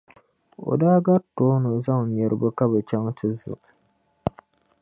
O daa gari tooni zaŋ niriba ka bɛ chaŋ ti zu.